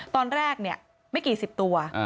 ตอนแรกไม่กี่สิบตัว